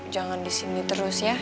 jangan di sini terus ya